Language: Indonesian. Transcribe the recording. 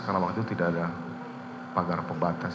karena waktu itu tidak ada pagar pembatas